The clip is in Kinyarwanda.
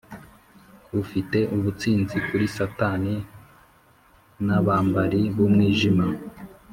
Ufite ubutsinzi kuri satani nabambari bumwijima